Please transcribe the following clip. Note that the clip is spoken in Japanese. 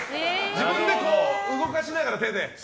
自分で動かしながら、手で。